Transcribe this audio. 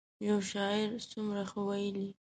یو شاعر څومره ښه ویلي.